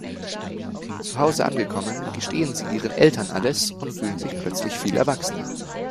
Zu Hause angekommen, gestehen sie ihren Eltern alles und fühlen sich plötzlich viel erwachsener.